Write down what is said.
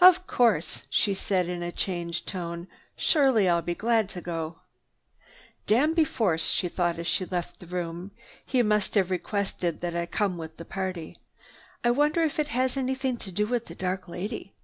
"Of course," she said in a changed tone. "Surely, I'll be glad to go." "Danby Force," she thought as she left the room. "He must have requested that I come with the party. I wonder if it has anything to do with the dark lady.